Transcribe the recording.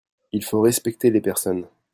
Il faut respecter les personnes.